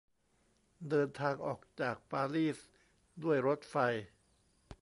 เดินทางออกจากปารีสด้วยรถไฟ